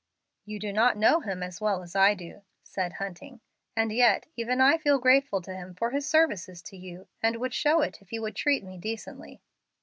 "You do not know him so well as I do," said Hunting; "and yet even I feel grateful to him for his services to you, and would show it if he would treat me decently."